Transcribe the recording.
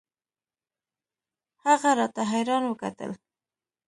هغه راته حيران وکتل.